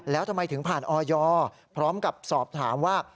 แล้วทำไมถึงผ่านออยพร้อมกับสอบถามว่า